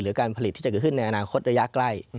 หรือการผลิตที่จะขึ้นในอนาคตระยะใกล้